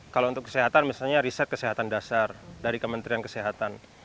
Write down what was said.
kalau untuk kesehatan misalnya riset kesehatan dasar dari kementerian kesehatan